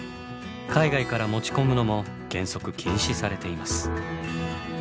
海外から持ち込むのも原則禁止されています。